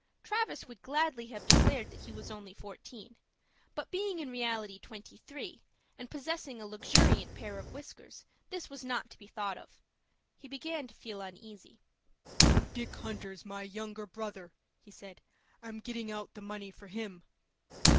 Travis would gladly have declared that he was only fourteen; but, being in reality twenty three, and possessing a luxuriant pair of whiskers, this was not to be thought of. He began to feel uneasy. "Dick Hunter's my younger brother," he said. "I'm getting out the money for him."